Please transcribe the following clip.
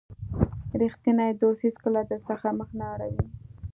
رښتینی دوست هیڅکله درڅخه مخ نه اړوي.